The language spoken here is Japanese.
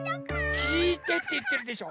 きいてっていってるでしょ。